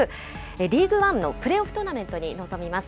リーグワンのプレーオフトーナメントに臨みます。